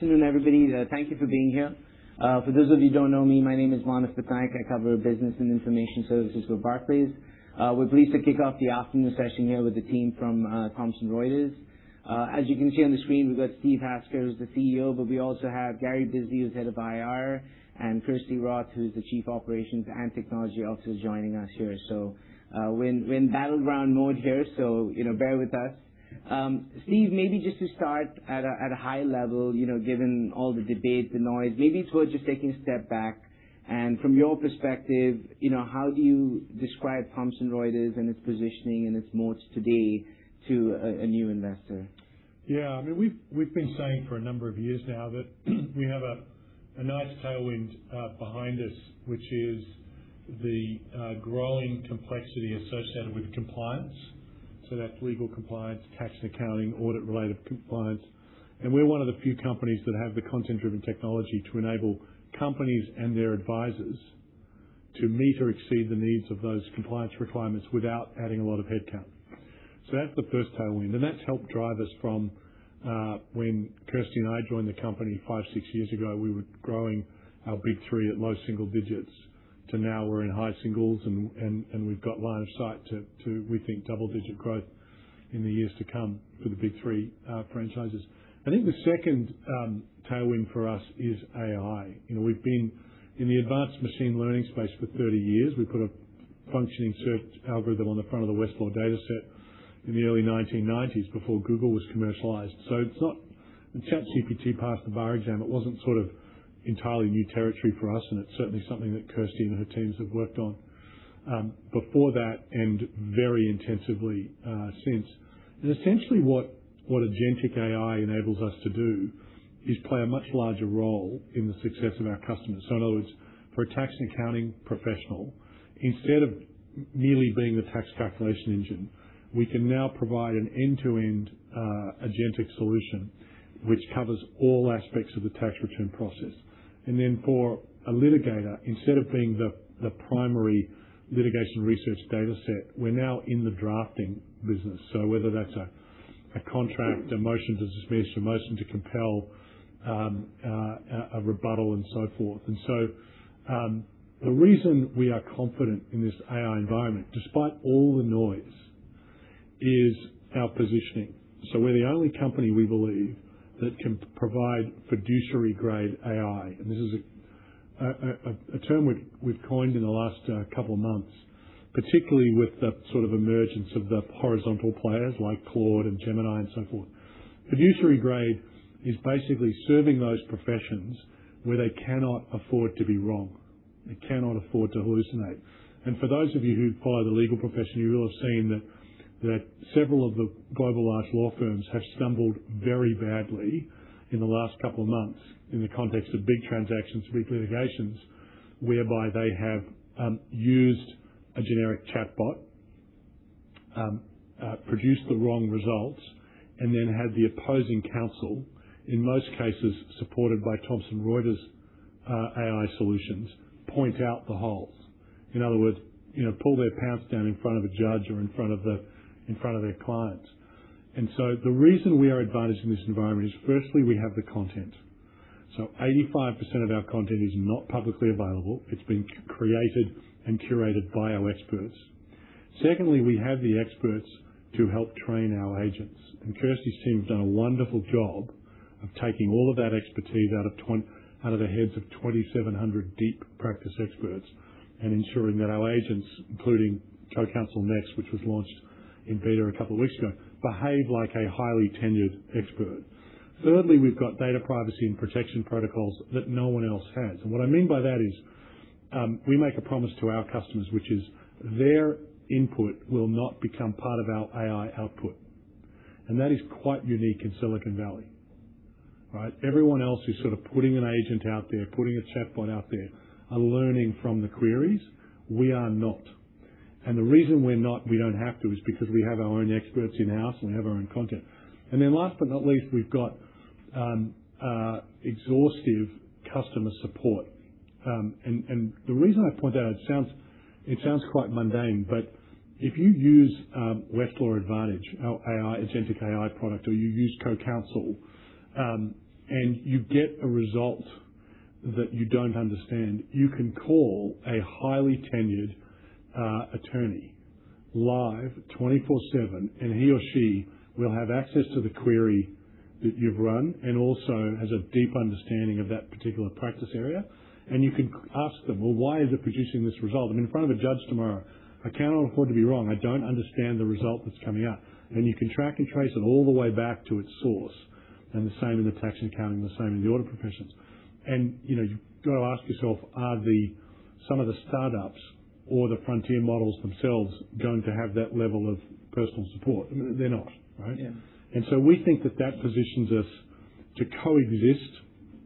Good afternoon, everybody. Thank you for being here. For those of you who don't know me, my name is Manav Patnaik. I cover business and information services for Barclays. We're pleased to kick off the afternoon session here with the team from Thomson Reuters. As you can see on the screen, we've got Steve Hasker, who's the CEO, but we also have Gary Bisbee, who's Head of IR, and Kirsty Roth, who's the Chief Operations and Technology Officer joining us here. We're in, we're in battleground mode here, you know, bear with us. Steve, maybe just to start at a, at a high level, you know, given all the debate, the noise, maybe it's worth just taking a step back and from your perspective, you know, how do you describe Thomson Reuters and its positioning and its moats today to a new investor? I mean, we've been saying for a number of years now that we have a nice tailwind behind us, which is the growing complexity associated with compliance. That's legal compliance, tax and accounting, audit-related compliance. We're one of the few companies that have the content-driven technology to enable companies and their advisors to meet or exceed the needs of those compliance requirements without adding a lot of headcount. That's the first tailwind, and that's helped drive us from when Kirsty and I joined the company five, six years ago, we were growing our big three at low single digits to now we're in high singles and we've got line of sight to, we think, double-digit growth in the years to come for the big three franchises. I think the second tailwind for us is AI. You know, we've been in the advanced machine learning space for 30 years. We put a functioning search algorithm on the front of the Westlaw dataset in the early 1990s before Google was commercialized. When ChatGPT passed the bar exam, it wasn't sort of entirely new territory for us, and it's certainly something that Kirsty and her teams have worked on before that and very intensively since. Essentially what agentic AI enables us to do is play a much larger role in the success of our customers. In other words, for a tax and accounting professional, instead of merely being the tax calculation engine, we can now provide an end-to-end agentic solution which covers all aspects of the tax return process. For a litigator, instead of being the primary litigation research dataset, we're now in the drafting business. Whether that's a contract, a motion to dismiss, a motion to compel, a rebuttal and so forth. The reason we are confident in this AI environment, despite all the noise, is our positioning. We're the only company we believe that can provide fiduciary-grade AI. This is a term we've coined in the last couple of months, particularly with the sort of emergence of the horizontal players like Claude and Gemini and so forth. Fiduciary-grade is basically serving those professions where they cannot afford to be wrong. They cannot afford to hallucinate. For those of you who follow the legal profession, you will have seen that several of the global large law firms have stumbled very badly in the last couple of months in the context of big transactions, big litigations, whereby they have used a generic chatbot, produced the wrong results, and then had the opposing counsel, in most cases supported by Thomson Reuters AI solutions, point out the holes. In other words, you know, pull their pants down in front of a judge or in front of their clients. The reason we are advantaged in this environment is firstly, we have the content. 85% of our content is not publicly available. It's been created and curated by our experts. Secondly, we have the experts to help train our agents. Kirsty's team have done a wonderful job of taking all of that expertise out of the heads of 2,700 deep practice experts and ensuring that our agents, including CoCounsel Legal, which was launched in beta a couple of weeks ago, behave like a highly tenured expert. Thirdly, we've got data privacy and protection protocols that no one else has. What I mean by that is, we make a promise to our customers, which is their input will not become part of our AI output. That is quite unique in Silicon Valley, right? Everyone else is sort of putting an agent out there, putting a chatbot out there, and learning from the queries. We are not. The reason we're not, we don't have to, is because we have our own experts in-house and we have our own content. Last but not least, we've got exhaustive customer support. The reason I point that out, it sounds quite mundane, but if you use Westlaw Advantage, our AI, agentic AI product, or you use CoCounsel, you get a result that you don't understand, you can call a highly tenured attorney live 24/7, and he or she will have access to the query that you've run and also has a deep understanding of that particular practice area. You can ask them, "Well, why is it producing this result? I'm in front of a judge tomorrow. I cannot afford to be wrong. I don't understand the result that's coming up. You can track and trace it all the way back to its source, and the same in the tax and accounting, the same in the audit professions." You know, you've got to ask yourself, are some of the startups or the frontier models themselves going to have that level of personal support? They're not, right? Yeah. We think that that positions us to coexist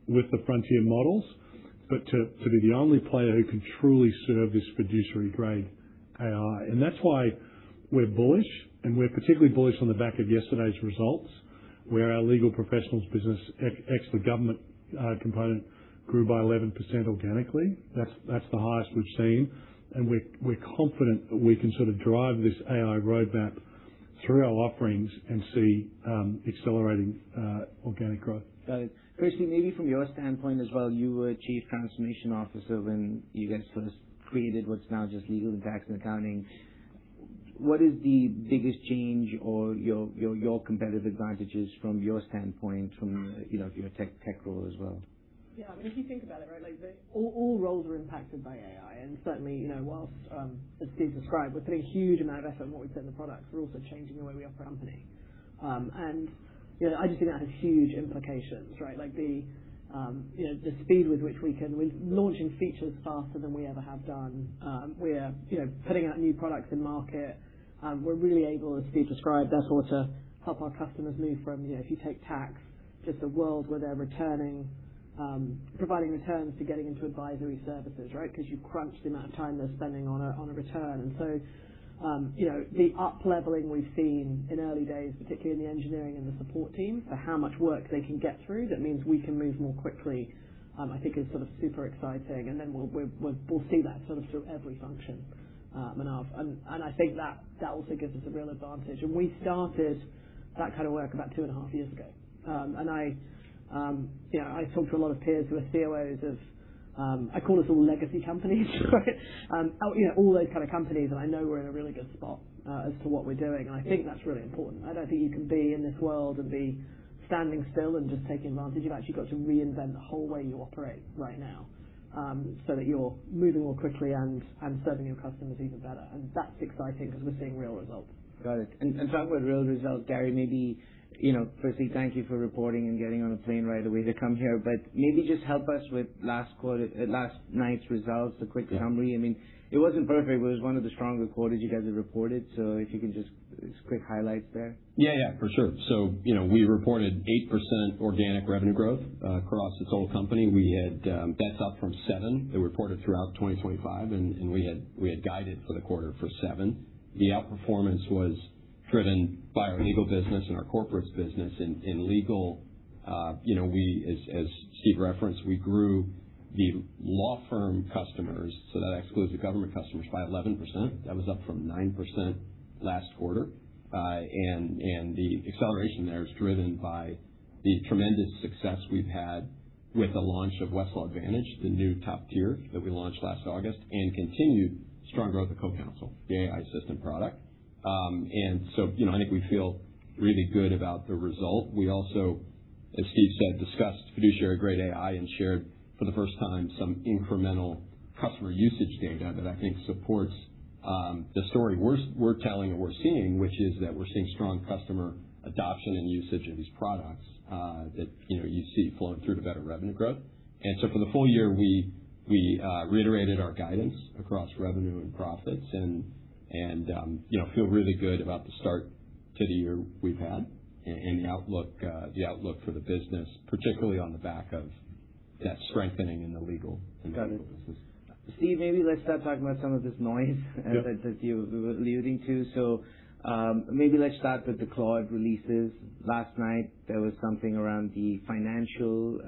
with the frontier models, but to be the only player who can truly serve this fiduciary-grade AI. That's why we're bullish, and we're particularly bullish on the back of yesterday's results, where our legal professionals business ex the government component grew by 11% organically. That's the highest we've seen. We're confident that we can sort of drive this AI roadmap through our offerings and see accelerating organic growth. Got it. Kirsty, maybe from your standpoint as well, you were Chief Transformation Officer when you guys first created what's now just Tax and Accounting. What is the biggest change or your competitive advantages from your standpoint from a, you know, your tech role as well? Yeah, I mean, if you think about it, right, like, all roles are impacted by AI. Certainly, you know, whilst, as Steve described, we're putting a huge amount of effort in what we put in the products. We're also changing the way we operate company. You know, I just think that has huge implications, right? Like the, you know, the speed with which we're launching features faster than we ever have done. We are, you know, putting out new products in market. We're really able, as Steve described, therefore, to help our customers move from, you know, if you take tax, just a world where they're returning, providing returns to getting into advisory services, right? 'Cause you crunch the amount of time they're spending on a return. You know, the upleveling we've seen in early days, particularly in the engineering and the support teams, for how much work they can get through, that means we can move more quickly, I think is sort of super exciting. We'll see that sort of through every function, Manav. I think that also gives us a real advantage. We started that kind of work about two and a half years ago. I, you know, I talk to a lot of peers who are COOs of, I call us all legacy companies, right? You know, all those kind of companies, I know we're in a really good spot as to what we're doing, I think that's really important. I don't think you can be in this world and be standing still and just taking advantage. You've actually got to reinvent the whole way you operate right now, so that you're moving more quickly and serving your customers even better. That's exciting because we're seeing real results. Got it. Talking about real results, Gary, you know, firstly, thank you for reporting and getting on a plane right away to come here. Maybe just help us with last night's results, a quick summary. I mean, it wasn't perfect, but it was one of the stronger quarters you guys have reported. If you can just quick highlights there. For sure. You know, we reported 8% organic revenue growth across this whole company. We had, that's up from seven that we reported throughout 2025, and we had guided for the quarter for seven. The outperformance was driven by our legal business and our corporates business. In legal, you know, as Steve Hasker referenced, we grew the law firm customers, so that excludes the government customers, by 11%. That was up from 9% last quarter. And the acceleration there is driven by the tremendous success we've had with the launch of Westlaw Advantage, the new top tier that we launched last August, and continued strong growth at CoCounsel, the AI system product. You know, I think we feel really good about the result. We also, as Steve said, discussed fiduciary-grade AI and shared for the first time some incremental customer usage data that I think supports the story we're telling and we're seeing, which is that we're seeing strong customer adoption and usage of these products that, you know, you see flowing through to better revenue growth. For the full year, we reiterated our guidance across revenue and profits and, you know, feel really good about the start to the year we've had and the outlook, the outlook for the business, particularly on the back of that strengthening in the Legal- Got it. In the legal business. Steve, maybe let's start talking about some of this noise. Yeah. - that you were alluding to. Maybe let's start with the Claude releases. Last night, there was something around the financial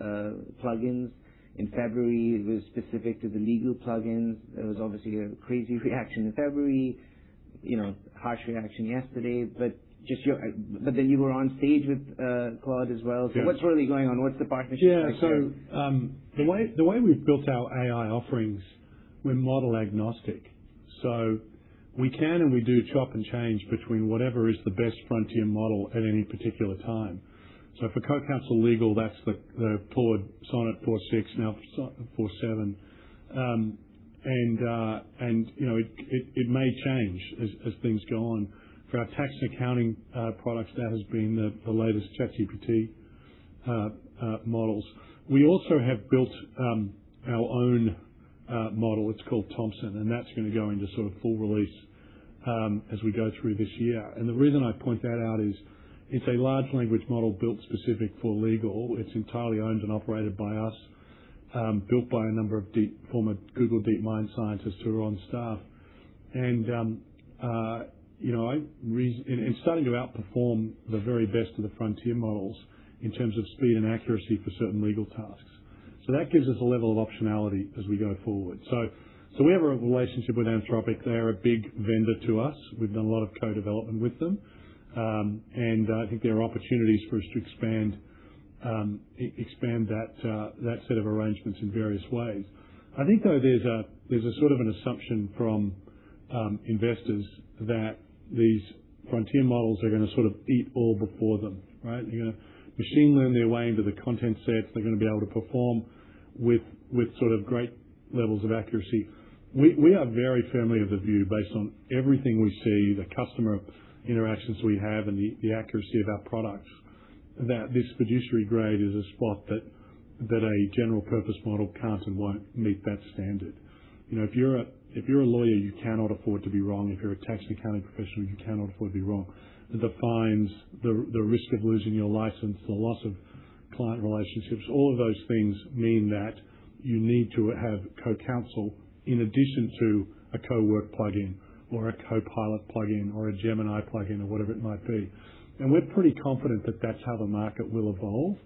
plugins. In February, it was specific to the legal plugins. There was obviously a crazy reaction in February, you know, harsh reaction yesterday. Then you were on stage with Claude as well. Yeah. What's really going on? What's the partnership like there? The way we've built our AI offerings, we're model agnostic. We can and we do chop and change between whatever is the best frontier model at any particular time. For CoCounsel Legal, that's the Claude Sonnet 4.6 now Sonnet 4.7. You know, it may change as things go on. For our Tax and Accounting products, that has been the latest ChatGPT models. We also have built our own model. It's called Thomson, that's gonna go into sort of full release as we go through this year. The reason I point that out is it's a large language model built specific for legal. It's entirely owned and operated by us, built by a number of former Google DeepMind scientists who are on staff. You know, It's starting to outperform the very best of the frontier models in terms of speed and accuracy for certain legal tasks. That gives us a level of optionality as we go forward. We have a relationship with Anthropic. They are a big vendor to us. We've done a lot of co-development with them. I think there are opportunities for us to expand that set of arrangements in various ways. I think, though, there's a, there's a sort of an assumption from investors that these frontier models are gonna sort of eat all before them, right? They're gonna machine learn their way into the content sets. They're gonna be able to perform with sort of great levels of accuracy. We are very firmly of the view, based on everything we see, the customer interactions we have and the accuracy of our products, that this fiduciary grade is a spot that a general purpose model can't and won't meet that standard. You know, if you're a lawyer, you cannot afford to be wrong. If you're a tax accounting professional, you cannot afford to be wrong. The fines, the risk of losing your license, the loss of client relationships, all of those things mean that you need to have CoCounsel in addition to a CoWork plugin or a Copilot plugin or a Gemini plugin or whatever it might be. We're pretty confident that that's how the market will evolve.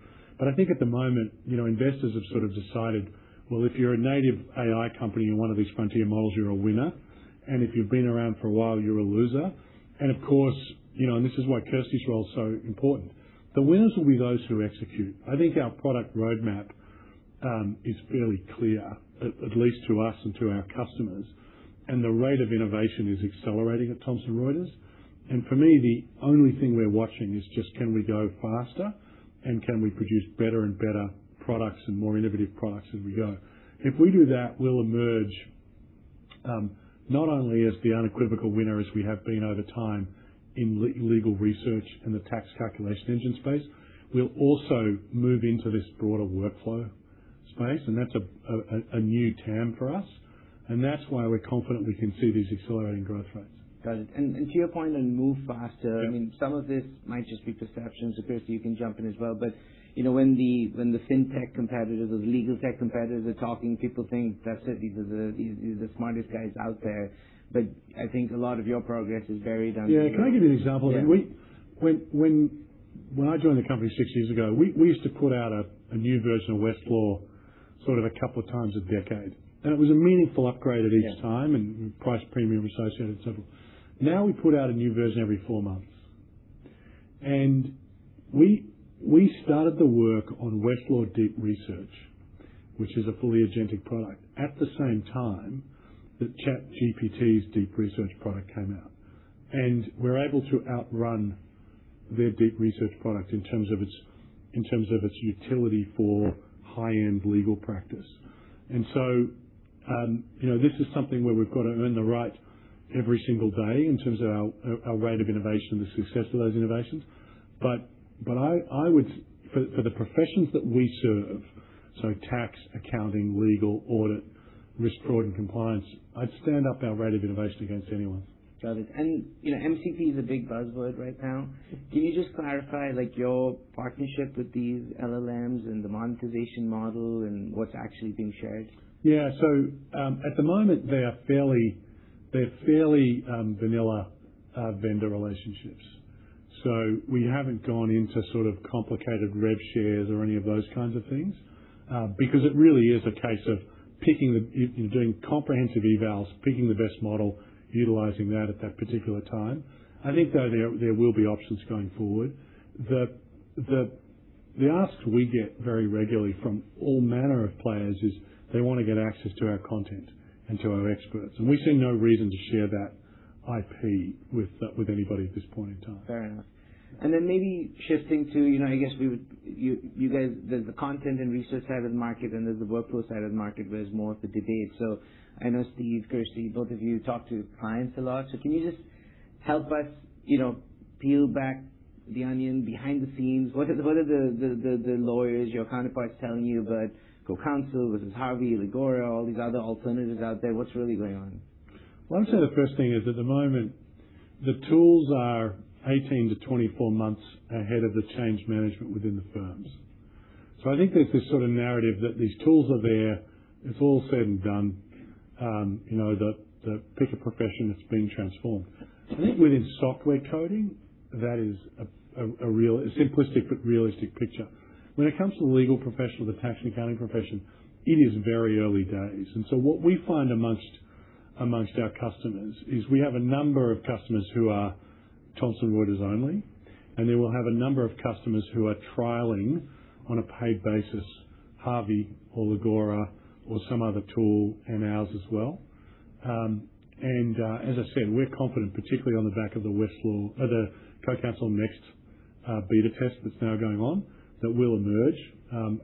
I think at the moment, you know, investors have sort of decided, well, if you're a native AI company and one of these frontier models, you're a winner. If you've been around for a while, you're a loser. This is why Kirsty's role is so important. The winners will be those who execute. I think our product roadmap is fairly clear, at least to us and to our customers, and the rate of innovation is accelerating at Thomson Reuters. For me, the only thing we're watching is just can we go faster and can we produce better and better products and more innovative products as we go? If we do that, we'll emerge, not only as the unequivocal winner as we have been over time in legal research and the tax calculation engine space, we'll also move into this broader workflow space, and that's a new term for us, and that's why we're confident we can see these accelerating growth rates. Got it. To your point on move faster- Yeah. I mean, some of this might just be perceptions. Kirsty, you can jump in as well. You know, when the FinTech competitors or the LegalTech competitors are talking, people think that's it, these are the smartest guys out there. I think a lot of your progress is very down to you. Yeah. Can I give you an example? Yeah. When I joined the company six years ago, we used to put out a new version of Westlaw sort of a couple of times a decade. It was a meaningful upgrade at each time. Yeah. Price premium associated, so forth. We put out a new version every four months. We started the work on Westlaw Deep Research, which is a fully agentic product, at the same time that ChatGPT's Deep Research product came out. We're able to outrun their Deep Research product in terms of its utility for high-end legal practice. You know, this is something where we've got to earn the right every single day in terms of our rate of innovation and the success of those innovations. For the professions that we serve, so tax, accounting, legal, audit, risk, fraud and compliance, I'd stand up our rate of innovation against anyone. Got it. You know, MCP is a big buzzword right now. Yeah. Can you just clarify, like, your partnership with these LLMs and the monetization model and what's actually being shared? Yeah. At the moment, they're fairly vanilla vendor relationships. We haven't gone into sort of complicated rev shares or any of those kinds of things, because it really is a case of picking the you know, doing comprehensive evals, picking the best model, utilizing that at that particular time. I think, though, there will be options going forward. The ask we get very regularly from all manner of players is they wanna get access to our content and to our experts, and we see no reason to share that IP with anybody at this point in time. Fair enough. Maybe shifting to, you know, I guess you guys, there's the content and research side of the market, and there's the workflow side of the market, where there's more of the debate. I know Steve, Kirsty, both of you talk to clients a lot. Can you just help us, you know, peel back the onion behind the scenes? What are the lawyers, your counterparts telling you about CoCounsel versus Harvey, Legora, all these other alternatives out there? What's really going on? Well, I'd say the first thing is, at the moment, the tools are 18-24 months ahead of the change management within the firms. I think there's this sort of narrative that these tools are there, it's all said and done, you know, the pick a profession that's been transformed. I think within software coding, that is a real simplistic but realistic picture. When it comes to the legal profession or the tax and accounting profession, it is very early days. What we find amongst our customers is we have a number of customers who are Thomson Reuters only, and then we'll have a number of customers who are trialing on a paid basis, Harvey or Legora or some other tool and ours as well. As I said, we're confident, particularly on the back of the CoCounsel Legal beta test that's now going on, that we'll emerge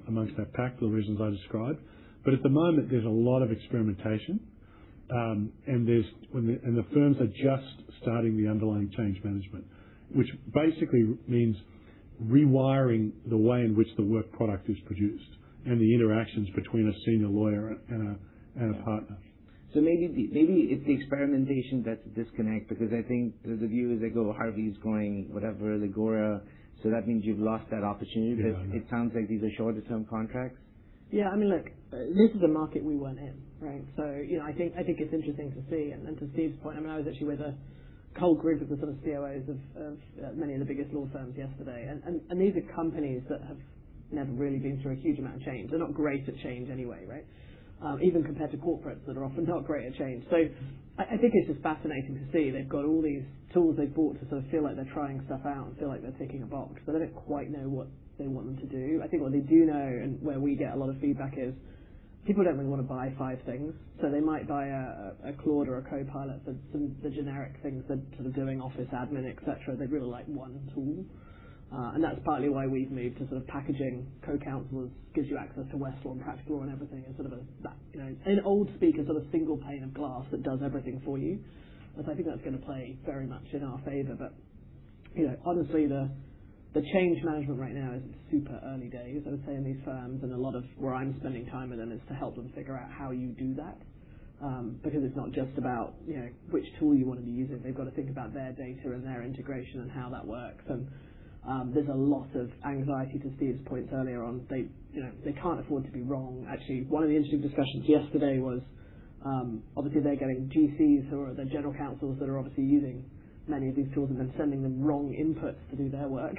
amongst that pack for the reasons I described. At the moment, there's a lot of experimentation, and the firms are just starting the underlying change management, which basically means rewiring the way in which the work product is produced and the interactions between a senior lawyer and a partner. Maybe the, maybe it's the experimentation that's a disconnect because I think the view is they go, "Harvey is going," whatever, "Legora." That means you've lost that opportunity. Yeah. Because it sounds like these are shorter term contracts. I mean, look, this is a market we weren't in, right? You know, I think it's interesting to see. To Steve's point, I mean, I was actually with a whole group of the sort of COOs of many of the biggest law firms yesterday. These are companies that have never really been through a huge amount of change. They're not great at change anyway, right? Even compared to corporates that are often not great at change. I think it's just fascinating to see. They've got all these tools they've bought to sort of feel like they're trying stuff out and feel like they're ticking a box, but they don't quite know what they want them to do. I think what they do know and where we get a lot of feedback is people don't really wanna buy five things. They might buy a Claude or a Copilot for some, the generic things that sort of doing office admin, et cetera. They'd really like one tool. That's partly why we've moved to sort of packaging CoCounsel gives you access to Westlaw and Practical Law and everything as sort of a, that, you know in old speak, a sort of single pane of glass that does everything for you. I think that's gonna play very much in our favor. You know, honestly, the change management right now is super early days, I would say, in these firms. A lot of where I'm spending time with them is to help them figure out how you do that, because it's not just about, you know, which tool you want to be using. They've got to think about their data and their integration and how that works. There's a lot of anxiety to Steve's point earlier on. They, you know, they can't afford to be wrong. Actually, one of the interesting discussions yesterday was, obviously they're getting GCs who are the general counsels that are obviously using many of these tools and then sending them wrong inputs to do their work.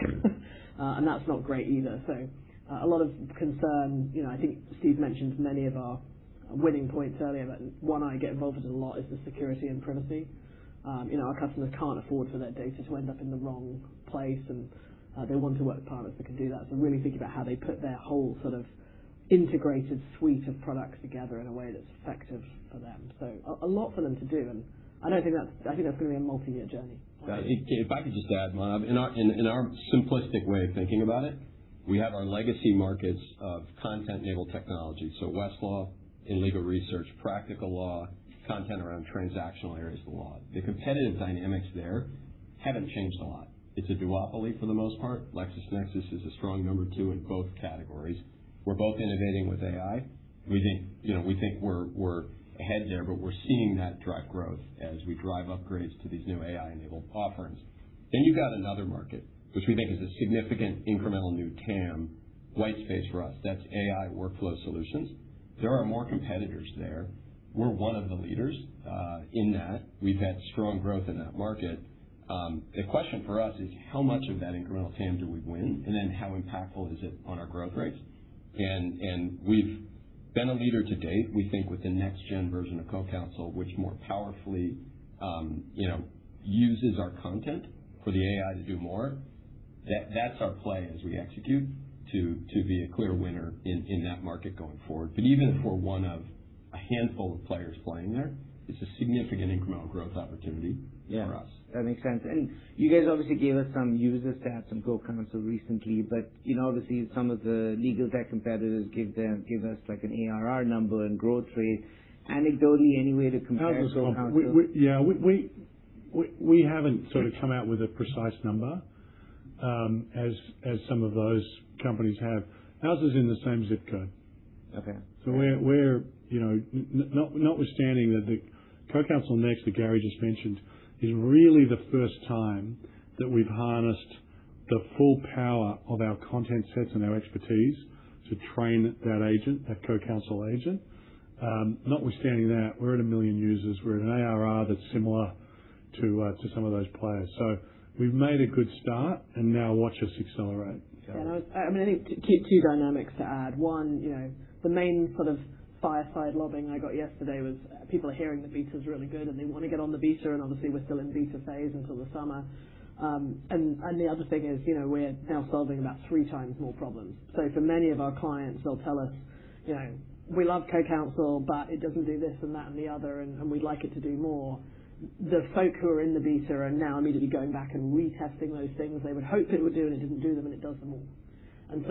That's not great either. A lot of concern. You know, I think Steve mentioned many of our winning points earlier, but one I get involved with a lot is the security and privacy. You know, our customers can't afford for their data to end up in the wrong place, and they want to work with partners that can do that. Really think about how they put their whole integrated suite of products together in a way that's effective for them. A lot for them to do, and I think that's gonna be a multi-year journey. If, if I could just add, in our simplistic way of thinking about it, we have our legacy markets of content-enabled technology, so Westlaw in legal research, Practical Law, content around transactional areas of the law. The competitive dynamics there haven't changed a lot. It's a duopoly for the most part. LexisNexis is a strong number two in both categories. We're both innovating with AI. We think, you know, we think we're ahead there, we're seeing that drive growth as we drive upgrades to these new AI-enabled offerings. You've got another market which we think is a significant incremental new TAM white space for us. That's AI workflow solutions. There are more competitors there. We're one of the leaders in that. We've had strong growth in that market. The question for us is how much of that incremental TAM do we win, and then how impactful is it on our growth rates? We've been a leader to date, we think, with the next gen version of CoCounsel, which more powerfully, you know, uses our content for the AI to do more. That's our play as we execute to be a clear winner in that market going forward. Even if we're one of a handful of players playing there, it's a significant incremental growth opportunity. Yeah. -for us. That makes sense. You guys obviously gave us some user stats on CoCounsel recently, but, you know, obviously some of the legal tech competitors give us like an ARR number and growth rate. Anecdotally, any way to compare CoCounsel? Yeah, we haven't sort of come out with a precise number, as some of those companies have. Ours is in the same zip code. Okay. We're, you know, notwithstanding that the CoCounsel Legal that Gary Bisbee just mentioned is really the first time that we've harnessed the full power of our content sets and our expertise to train that agent, that CoCounsel agent. Notwithstanding that, we're at a million users. We're at an ARR that's similar to some of those players. We've made a good start and now watch us accelerate. I mean, I think two dynamics to add. One, you know, the main sort of fireside lobbing I got yesterday was people are hearing the beta's really good, and they wanna get on the beta. Obviously we're still in beta phase until the summer. The other thing is, you know, we're now solving about three times more problems. For many of our clients, they'll tell us, you know, "We love CoCounsel, but it doesn't do this and that and the other, and we'd like it to do more." The folks who are in the beta are now immediately going back and retesting those things they would hope it would do, and it didn't do them, and it does them all. You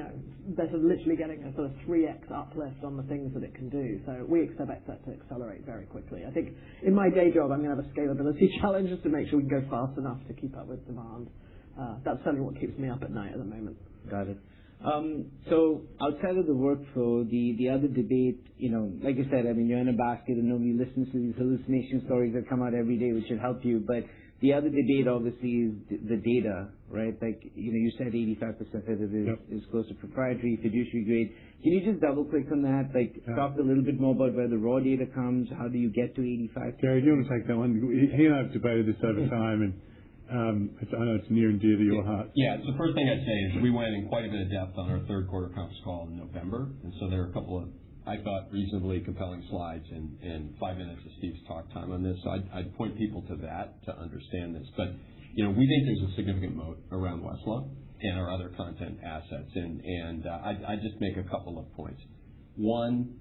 know, they're literally getting a sort of three X uplift on the things that it can do. We expect that to accelerate very quickly. I think in my day job, I'm gonna have a scalability challenge just to make sure we can go fast enough to keep up with demand. That's certainly what keeps me up at night at the moment. Got it. Outside of the workflow, the other debate, you know, like you said, I mean, you're in a basket and nobody listens to these hallucination stories that come out every day, which should help you. The other debate obviously is the data, right? Like, you know, you said 85% of it is- Yep. -is close to proprietary, fiduciary-grade. Can you just double-click on that? Yeah. Talk a little bit more about where the raw data comes. How do you get to 85%? Gary, do you wanna take that one? He and I have debated this over time, and I know it's near and dear to your heart. The first thing I'd say is we went in quite a bit of depth on our third quarter conference call in November. There are a couple of, I thought, reasonably compelling slides and five minutes of Steve's talk time on this. I'd point people to that to understand this. You know, we think there's a significant moat around Westlaw and our other content assets and I'd just make a couple of points. One,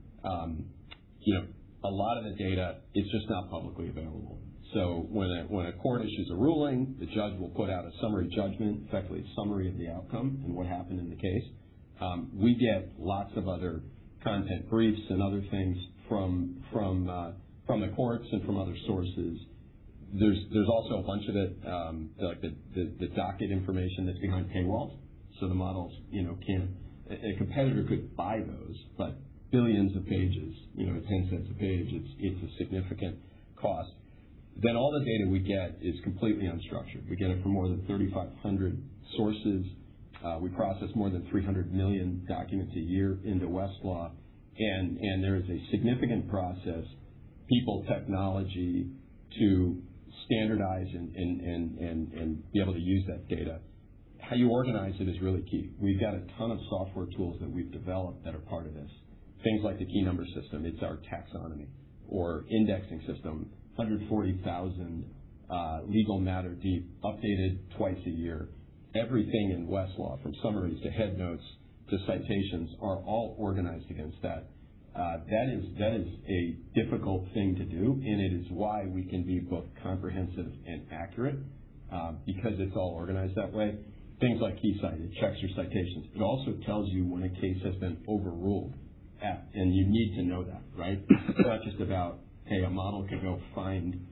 you know, a lot of the data is just not publicly available. When a, when a court issues a ruling, the judge will put out a summary judgment, effectively a summary of the outcome and what happened in the case. We get lots of other content briefs and other things from the courts and from other sources. There's also a bunch of it, like the docket information that's behind paywalls. The models, you know, can't. A competitor could buy those, but billions of pages, you know, at $0.10 a page, it's a significant cost. All the data we get is completely unstructured. We process more than 3,500 sources. We process more than 300 million documents a year into Westlaw, and there is a significant process, people, technology to standardize and be able to use that data. How you organize it is really key. We've got a ton of software tools that we've developed that are part of this. Things like the Key Number System, it's our taxonomy or indexing system. 140,000 legal matter deep, updated twice a year. Everything in Westlaw, from summaries to headnotes to citations, are all organized against that. That is a difficult thing to do, and it is why we can be both comprehensive and accurate, because it's all organized that way. Things like KeyCite, it checks your citations. It also tells you when a case has been overruled, and you need to know that, right? It's not just about, hey, a model can go find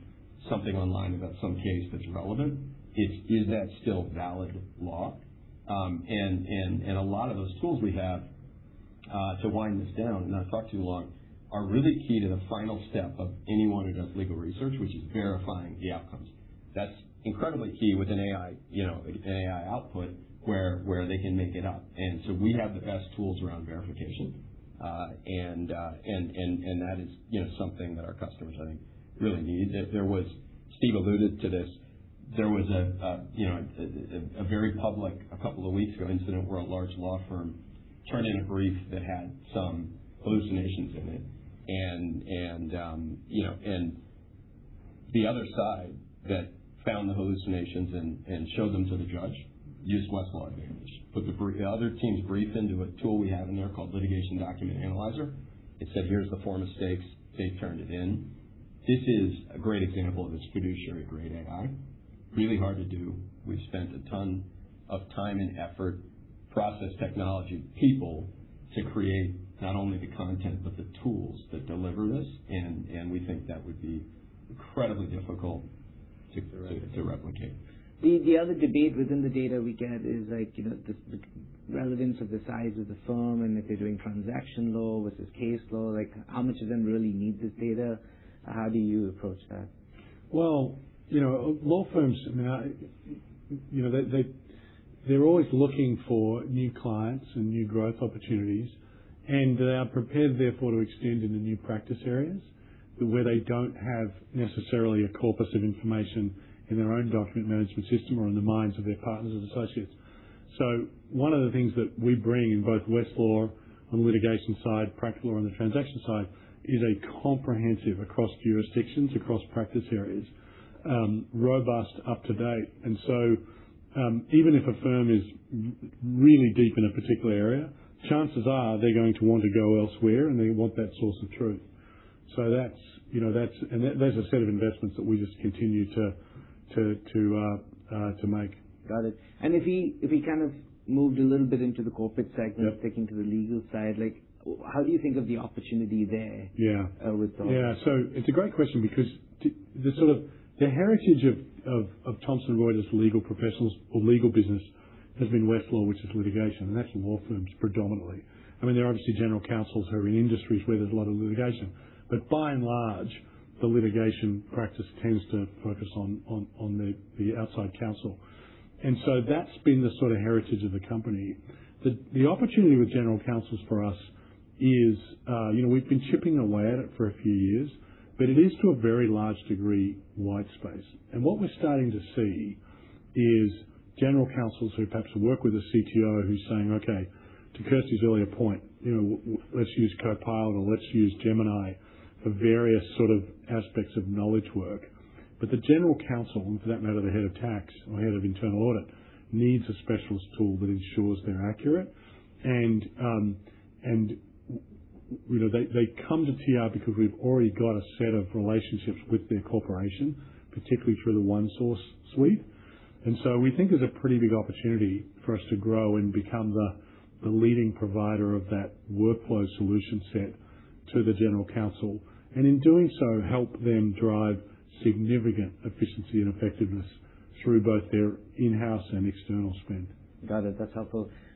something online about some case that's relevant. Is that still valid law? A lot of those tools we have, to wind this down, and I've talked too long, are really key to the final step of anyone who does legal research, which is verifying the outcomes. That's incredibly key with an AI, you know, an AI output where they can make it up. We have the best tools around verification, and that is, you know, something that our customers, I think, really need. Steve alluded to this. There was a, you know, a very public, a couple of weeks ago, incident where a large law firm turned in a brief that had some hallucinations in it and, you know, The other side that found the hallucinations and showed them to the judge used Westlaw Edge. The other teams briefed into a tool we have in there called Litigation Document Analyzer. It said, "Here's the four mistakes." They turned it in. This is a great example of this fiduciary-grade AI. Really hard to do. We've spent a ton of time and effort, process technology, people to create not only the content, but the tools that deliver this. We think that would be incredibly difficult to replicate. The other debate within the data we get is like, you know, the relevance of the size of the firm and if they're doing transaction law versus case law, like how much of them really need this data. How do you approach that? Well, you know, law firms, I mean, you know, they're always looking for new clients and new growth opportunities, and they are prepared therefore to extend into new practice areas where they don't have necessarily a corpus of information in their own document management system or in the minds of their partners and associates. One of the things that we bring in both Westlaw on the litigation side, Practical Law on the transaction side, is a comprehensive across jurisdictions, across practice areas, robust up-to-date. Even if a firm is really deep in a particular area, chances are they're going to want to go elsewhere, and they want that source of truth. That's, you know, and there's a set of investments that we just continue to make. Got it. If we kind of moved a little bit into the corporate segment sticking to the legal side, like how do you think of the opportunity there? Yeah. With those? It's a great question because the sort of the heritage of Thomson Reuters legal professionals or legal business has been Westlaw, which is litigation, and that's in law firms predominantly. I mean, there are obviously general counsels who are in industries where there's a lot of litigation. By and large, the litigation practice tends to focus on the outside counsel. That's been the sort of heritage of the company. The opportunity with general counsels for us is, you know, we've been chipping away at it for a few years, but it is to a very large degree, wide space. What we're starting to see is general counsels who perhaps work with a CTO who's saying, "Okay," to Kirsty's earlier point, you know, let's use Copilot or let's use Gemini for various sort of aspects of knowledge work. The general counsel, and for that matter, the head of tax or head of internal audit, needs a specialist tool that ensures they're accurate. You know, they come to TR because we've already got a set of relationships with their corporation, particularly through the ONESOURCE suite. We think there's a pretty big opportunity for us to grow and become the leading provider of that workflow solution set to the general counsel, and in doing so, help them drive significant efficiency and effectiveness through both their in-house and external spend. Got it. That's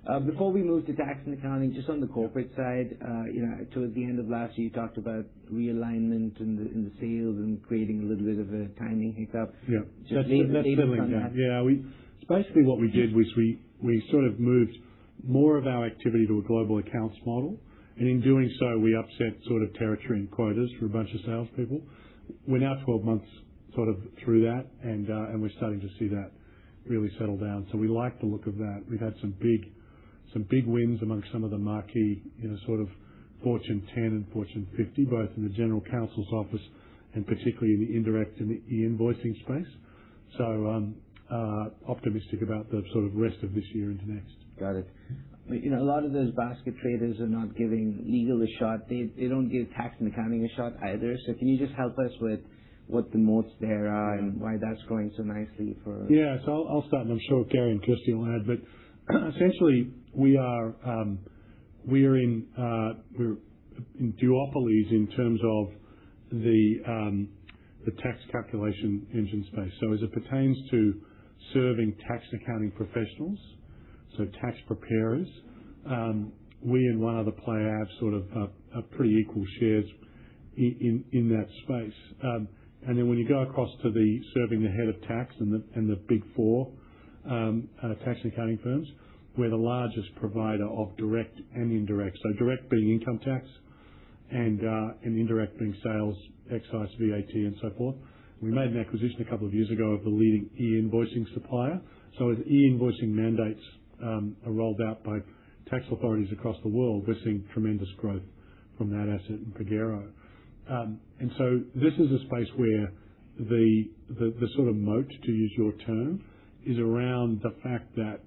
helpful. Before we move to Tax and Accounting, just on the corporate side, you know, towards the end of last year, you talked about realignment in the sales and creating a little bit of a timing hiccup. Yeah. That's certainly done. Yeah. Basically what we did was we sort of moved more of our activity to a global accounts model, and in doing so, we upset sort of territory and quotas for a bunch of salespeople. We're now 12 months sort of through that, and we're starting to see that really settle down. We like the look of that. We've had some big wins amongst some of the marquee, you know, sort of Fortune 10 and Fortune 50, both in the general counsel's office and particularly in the indirect and e-invoicing space. Optimistic about the sort of rest of this year into next. Got it. You know, a lot of those basket traders are not giving legal a shot. They don't give Tax and Accounting a shot either. Can you just help us with what the moats there are and why that's going so nicely? I'll start, and I'm sure Gary and Kirsty will add. Essentially, we are, we're in, we're in duopolies in terms of the tax calculation engine space. As it pertains to serving tax accounting professionals, tax preparers, we and one other player have sort of a pretty equal shares in that space. When you go across to the serving the head of tax and the Big Four tax accounting firms, we're the largest provider of direct and indirect. Direct being income tax and indirect being sales, excise, VAT, and so forth. We made an acquisition a couple of years ago of the leading e-invoicing supplier. As e-invoicing mandates are rolled out by tax authorities across the world, we're seeing tremendous growth from that asset in Pagero. This is a space where the sort of moat, to use your term, is around the fact that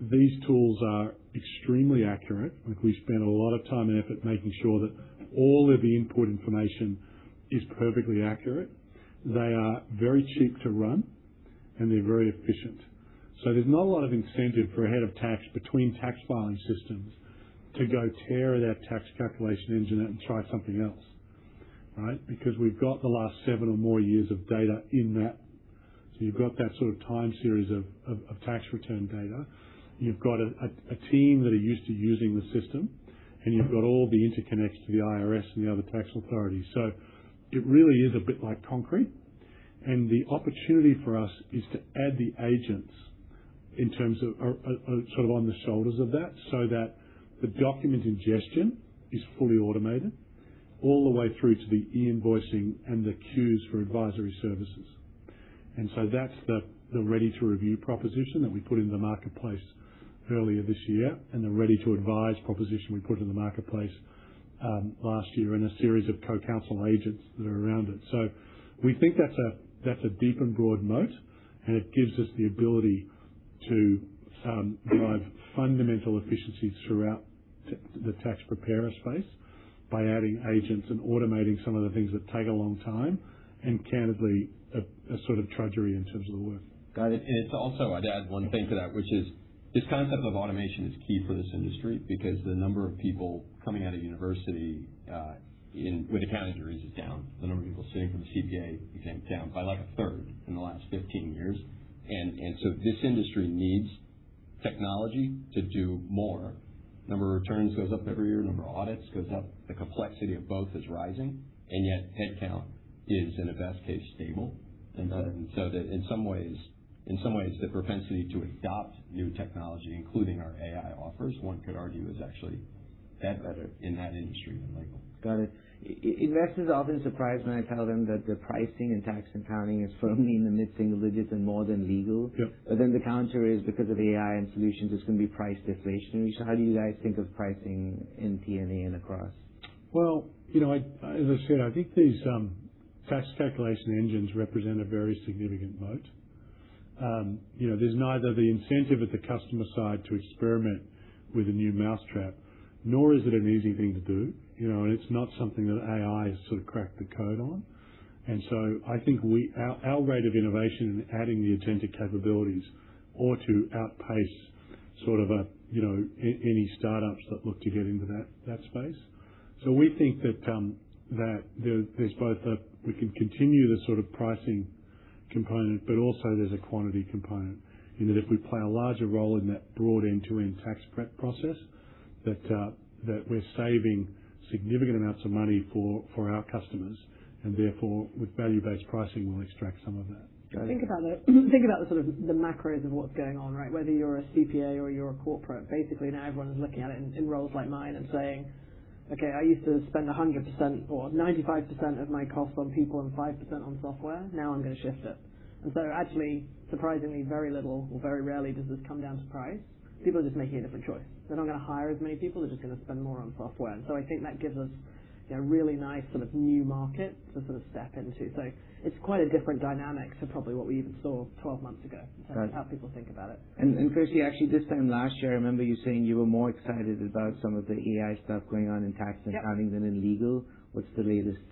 these tools are extremely accurate. Like, we spend a lot of time and effort making sure that all of the input information is perfectly accurate. They are very cheap to run, and they're very efficient. There's not a lot of incentive for a head of tax between tax filing systems to go tear that tax calculation engine out and try something else, right? Because we've got the last seven or more years of data in that. You've got that sort of time series of tax return data. You've got a team that are used to using the system, and you've got all the interconnects to the IRS and the other tax authorities. It really is a bit like concrete. The opportunity for us is to add the agents in terms of sort of on the shoulders of that, so that the document ingestion is fully automated all the way through to the e-invoicing and the queues for advisory services. That's the Ready to Review proposition that we put in the marketplace earlier this year, and the Ready to Advise proposition we put in the marketplace last year in a series of CoCounsel agents that are around it. We think that's a deep and broad moat, and it gives us the ability to drive fundamental efficiencies throughout the tax preparer space by adding agents and automating some of the things that take a long time and candidly a sort of drudgery in terms of the work. Got it. It's also I'd add one thing to that, which is this concept of automation is key for this industry because the number of people coming out of university, in, with accounting degrees is down. The number of people sitting for the CPA exam is down by like a third in the last 15 years. This industry needs technology to do more. Number of returns goes up every year, number of audits goes up. The complexity of both is rising, yet head count is, in a best case, stable. That in some ways, the propensity to adopt new technology, including our AI offers, one could argue, is actually. Better. -in that industry than legal. Got it. Investors are often surprised when I tell them that the pricing in Tax and Accounting is firmly in the mid-single digits and more than legal. Yep. The counter is because of AI and solutions, there's going to be price deflation. How do you guys think of pricing in T&A and across? Well, you know, as I said, I think these tax calculation engines represent a very significant moat. You know, there's neither the incentive at the customer side to experiment with a new mousetrap, nor is it an easy thing to do. You know, it's not something that AI has sort of cracked the code on. I think our rate of innovation in adding the agentic capabilities ought to outpace sort of a, you know, any startups that look to get into that space. We think that there's both a pricing component, but also there's a quantity component in that if we play a larger role in that broad end-to-end tax prep process, that we're saving significant amounts of money for our customers and therefore with value-based pricing, we'll extract some of that. Got it. Think about the sort of the macros of what's going on, right? Whether you're a CPA or you're a corporate, basically now everyone's looking at it in roles like mine and saying, "Okay, I used to spend 100% or 95% of my cost on people and 5% on software. Now I'm gonna shift it." Actually, surprisingly, very little or very rarely does this come down to price. People are just making a different choice. They're not gonna hire as many people, they're just gonna spend more on software. I think that gives us a really nice sort of new market to sort of step into. It's quite a different dynamic to probably what we even saw 12 months ago. Got it. In terms of how people think about it. Kirsty, actually this time last year, I remember you saying you were more excited about some of the AI stuff going on in tax and accounting than in legal. What's the latest?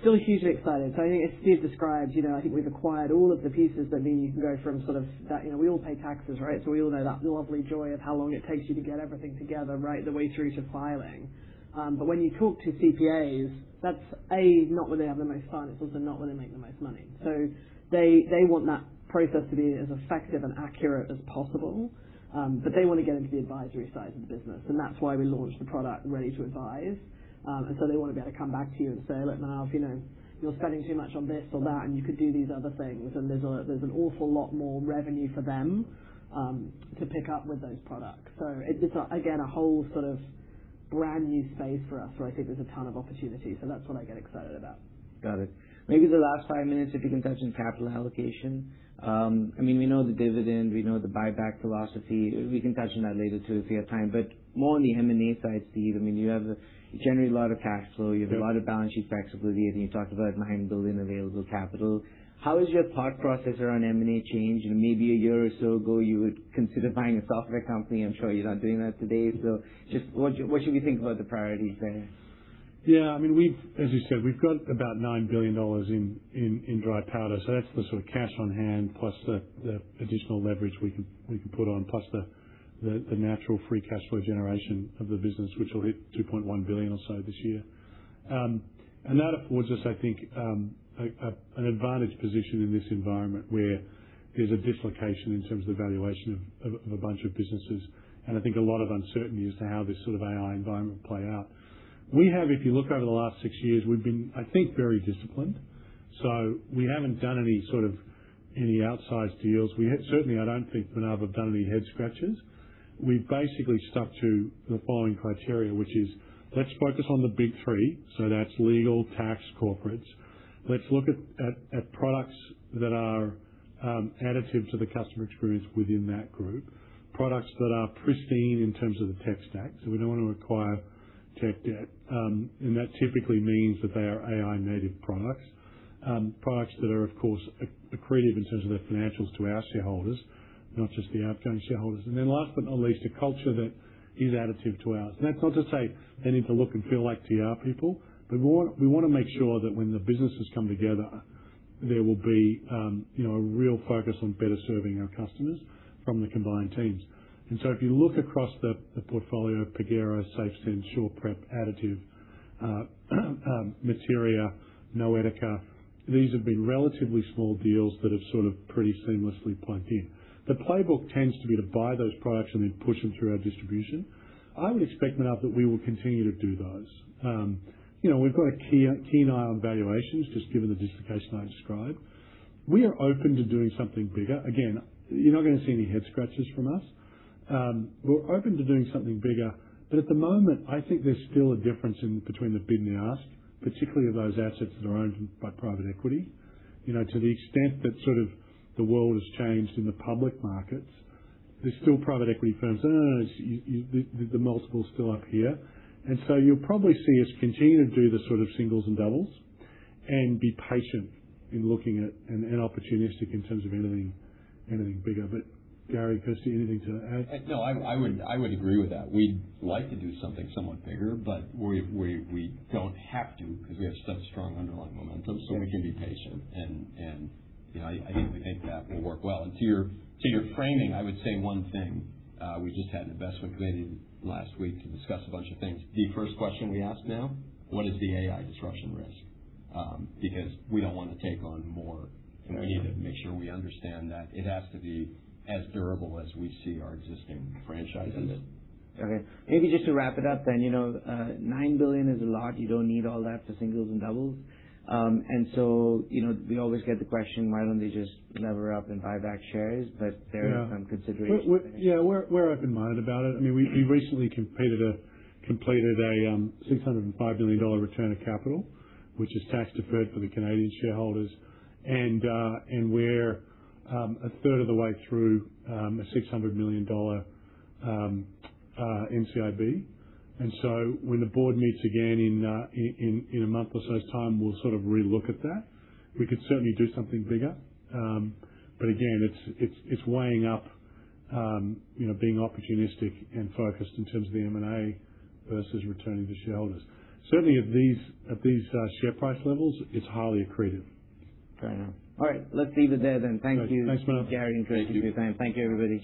Still hugely excited. I think as Steve described, you know, I think we've acquired all of the pieces that mean you can go from sort of that You know, we all pay taxes, right? We all know that lovely joy of how long it takes you to get everything together, right, the way through to filing. When you talk to CPAs, that's, a not where they have the most fun. It's also not where they make the most money. They want that process to be as effective and accurate as possible. They wanna get into the advisory side of the business, and that's why we launched the product Ready to Advise. They wanna be able to come back to you and say, "Look, Manav, you know, you're spending too much on this or that, and you could do these other things." There's an awful lot more revenue for them to pick up with those products. It's, again, a whole sort of brand new space for us where I think there's a ton of opportunity. That's what I get excited about. Got it. Maybe the last five minutes, if you can touch on capital allocation. I mean, we know the dividend, we know the buyback philosophy. We can touch on that later, too, if we have time. More on the M&A side, Steve. I mean, you generate a lot of cash flow. You have a lot of balance sheet flexibility, and you talked about $9 billion available capital. How has your thought process around M&A changed? You know, maybe a year or so ago you would consider buying a software company. I'm sure you're not doing that today. Just what should we think about the priorities there? I mean, as you said, we've got about $9 billion in dry powder, so that's the sort of cash on hand plus the additional leverage we can put on, plus the natural free cash flow generation of the business, which will hit $2.1 billion or so this year. And that affords us, I think, an advantage position in this environment where there's a dislocation in terms of the valuation of a bunch of businesses and I think a lot of uncertainty as to how this sort of AI environment will play out. We have, if you look over the last six years, we've been, I think, very disciplined. We haven't done any outsized deals. We have certainly, I don't think, Manav, done any head scratchers. We've basically stuck to the following criteria, which is let's focus on the big three. That's legal, tax, corporates. Let's look at products that are additive to the customer experience within that group. Products that are pristine in terms of the tech stack. We don't want to acquire tech debt. That typically means that they are AI-native products. Products that are of course accretive in terms of their financials to our shareholders, not just the AppZen shareholders. Last but not least, a culture that is additive to ours. That's not to say they need to look and feel like TR people, but we want to make sure that when the businesses come together, there will be, you know, a real focus on better serving our customers from the combined teams. If you look across the portfolio, Pagero, SafeSend, SurePrep, Additive, Materia, Noetica, these have been relatively small deals that have sort of pretty seamlessly plugged in. The playbook tends to be to buy those products and then push them through our distribution. I would expect, Manav, that we will continue to do those. You know, we've got a keen eye on valuations, just given the dislocation I described. We are open to doing something bigger. Again, you're not gonna see any head scratches from us. We're open to doing something bigger, but at the moment, I think there's still a difference in between the bid and the ask, particularly of those assets that are owned by private equity. You know, to the extent that sort of the world has changed in the public markets, there's still private equity firms. The multiple's still up here. You'll probably see us continue to do the sort of singles and doubles and be patient in looking at an opportunistic in terms of anything bigger. Gary, Kirsty, anything to add? No, I would agree with that. We'd like to do something somewhat bigger, but we don't have to because we have such strong underlying momentum. We can be patient. You know, I think we think that will work well. To your framing, I would say 1 thing. We just had an investment committee last week to discuss a bunch of things. The 1st question we ask now, what is the AI disruption risk? Because we don't want to take on more. Yeah. We need to make sure we understand that it has to be as durable as we see our existing franchises. Okay. Maybe just to wrap it up then, you know, $9 billion is a lot. You don't need all that for singles and doubles. You know, we always get the question, "Why don't they just lever up and buy back shares?" There are some considerations. Yeah. We're open-minded about it. I mean, we recently completed a $605 million return of capital, which is tax-deferred for the Canadian shareholders and we're a third of the way through a $600 million NCIB. When the board meets again in a month or so time, we'll sort of re-look at that. We could certainly do something bigger. Again, it's weighing up, you know, being opportunistic and focused in terms of the M&A versus returning to shareholders. Certainly at these share price levels, it's highly accretive. Fair enough. All right. Let's leave it there then. Thank you- Thanks very much. Gary and Kirsty for your time. Thank you, everybody.